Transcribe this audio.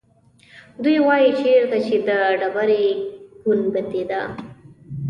دوی وایيچېرته چې د ډبرې ګنبده ده.